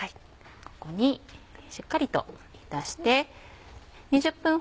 ここにしっかりと浸して。